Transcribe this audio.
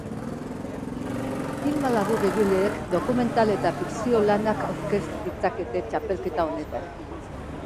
Film labur egileek, dokumetal eta fikzio lanak aurkez ditzakete txapelketa honetan.